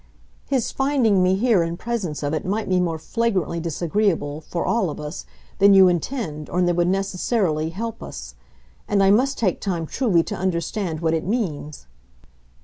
"His finding me here in presence of it might be more flagrantly disagreeable for all of us than you intend or than would necessarily help us. And I must take time, truly, to understand what it means."